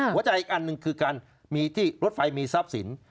อีกอันหนึ่งคือการมีที่รถไฟมีทรัพย์สิน